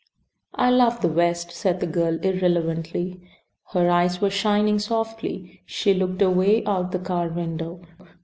"I love the West," said the girl irrelevantly. Her eyes were shining softly. She looked away out the car window.